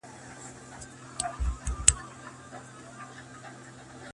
o هر بنده، خپل ئې عمل!